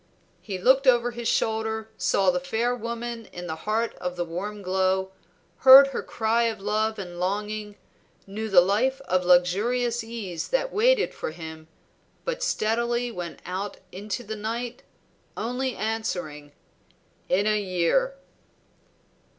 He looked over his shoulder, saw the fair woman in the heart of the warm glow, heard her cry of love and longing, knew the life of luxurious ease that waited for him, but steadily went out into the night, only answering "In a year."